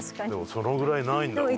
そのぐらいないんだろうね。